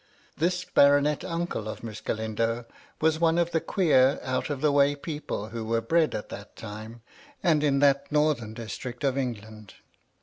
This baronet uncle of Miss Galindo was one of the queer, out of the way people who were bred at that time, and in that northern district of England.